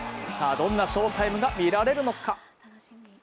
どんな翔タイムが見られるのか。